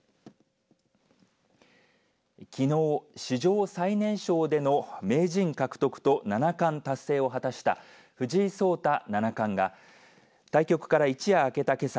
きのう、史上最年少での名人獲得と七冠達成を果たした藤井聡太七冠が対局から一夜明けたけさ